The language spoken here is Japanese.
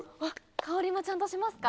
香りもちゃんとしますか？